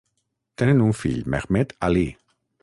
Tenen un fill, Mehmet Ali.